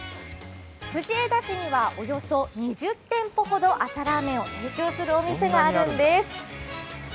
藤枝市にはおよそ２０店舗ほど朝ラーメンを提供するお店があるんです。